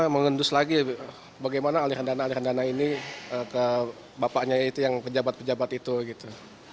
mengendus lagi bagaimana aliran dana aliran dana ini ke bapaknya itu yang pejabat pejabat itu gitu